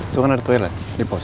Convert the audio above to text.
itu kan ada toilet nih bos